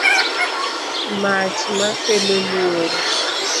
mach ma kelo luoro